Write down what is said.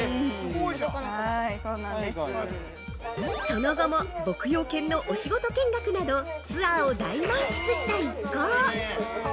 ◆その後も牧羊犬のお仕事見学などツアーを大満喫した一行。